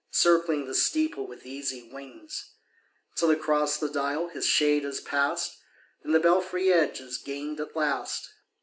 Circling the steeple with easy wings. Till across the dial his shade has pass'd, And the belfry edge is gain'd at last.